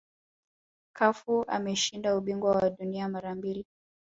cafu ameshinda ubingwa wa dunia mara mbili